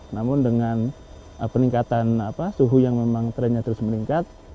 namun dengan peningkatan suhu yang memang trennya terus meningkat